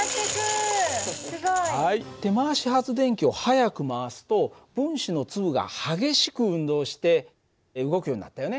手回し発電機を速く回すと分子の粒が激しく運動して動くようになったよね。